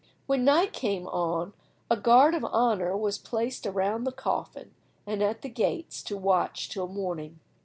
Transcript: When night came on a guard of honour was placed around the coffin and at the gates to watch till morning.